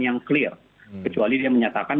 yang clear kecuali dia menyatakan